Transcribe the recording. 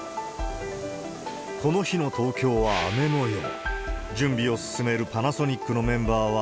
この日の東京は雨もよう。